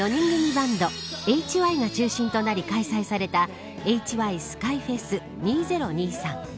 バンドＨＹが中心となり開催されたＨＹＳＫＹＦｅｓ２０２３。